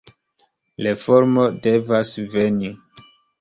Reformo devas veni.